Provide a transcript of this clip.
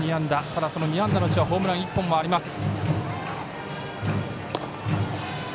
ただ、２安打のうちホームラン１本があります。